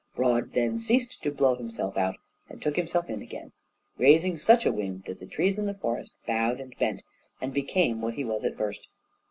Broad then ceased to blow himself out, and took himself in again, raising such a wind that the trees in the forest bowed and bent, and became what he was at first.